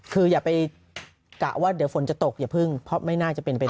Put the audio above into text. คืออย่าไปกะว่าเดี๋ยวฝนจะตกอย่าพึ่งเพราะไม่น่าจะเป็นไปได้